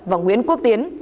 và nguyễn quốc tiến